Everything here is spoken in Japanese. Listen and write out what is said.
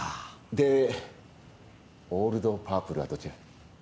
でオールド・パープルはどちらに？